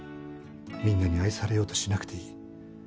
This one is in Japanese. みんなに愛されようとしなくていい。